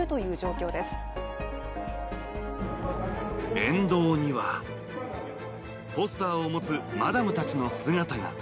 沿道にはポスターを持つマダムたちの姿が。